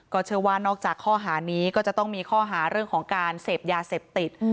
เชื่อว่านอกจากข้อหานี้ก็จะต้องมีข้อหาเรื่องของการเสพยาเสพติด